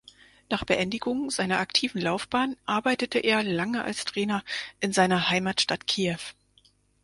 Nach Beendigung seiner aktiven Laufbahn arbeitete er lange als Trainer in seiner Heimatstadt Kiew.